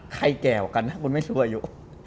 แก่กว่ากันนะคุณไม่ชูอายุ